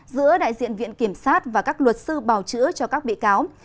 giữa đại diện viện kiểm sát và các luật sư bào chữa cho các bị cáo